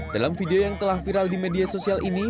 dalam video yang telah viral di media sosial ini